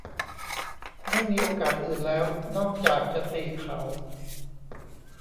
ไม่มีโอกาสอื่นแล้วนอกจากจะตีเขา